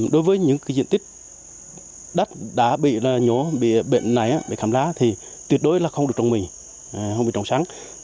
đối với những diện tích đất đã bị nhiễm bệnh này bị khảm lá thì tuyệt đối là không được trồng mì không được trồng sắn